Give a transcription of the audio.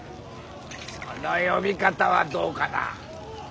その呼び方はどうかな。